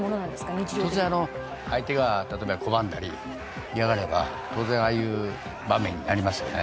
日常的に相手が例えば拒んだり嫌がれば当然ああいう場面になりますよね